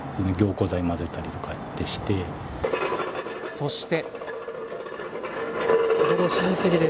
そして。